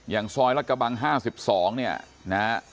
อย่างซอยรัดกะบัง๕๒เนี่ยนะฮะ